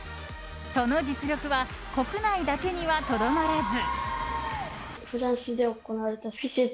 その実力は国内だけにはとどまらず。